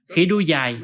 khỉ đuôi dài